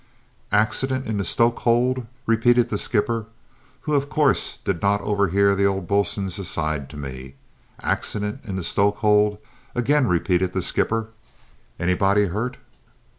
"Accident in the stoke hold!" repeated the skipper, who of course did not overhear the old boatswain's aside to me. "Accident in the stoke hold!" again repeated the skipper; "anybody hurt?"